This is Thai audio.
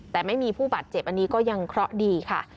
แต่ไม่มีผู้บาดเจ็บอันนี้ก็ยังเคราะห์ดีค่ะ